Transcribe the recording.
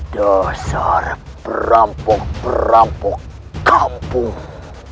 dasar berampuk berampuk kampung